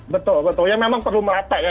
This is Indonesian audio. betul betul ya memang perlu merata ya